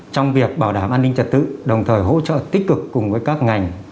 trong việc bảo đảm an ninh trật tự đồng thời hỗ trợ tích cực cùng với các ngành